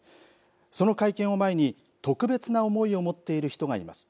その会見を前に、特別な思いを持っている人がいます。